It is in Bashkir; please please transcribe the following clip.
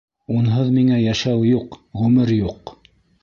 Унһыҙ миңә йәшәү юҡ, ғүмер юҡ!